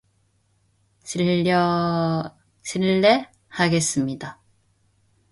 실례하겠습니다.